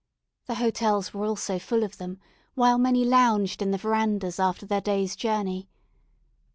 The hotels were also full of them, while many lounged in the verandahs after their day's journey.